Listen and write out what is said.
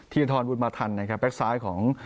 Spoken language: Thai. ธีรธรบุธมาธรรณแบ็คซ้ายของ